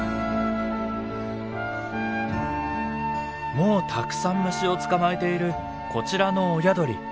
もうたくさん虫を捕まえているこちらの親鳥。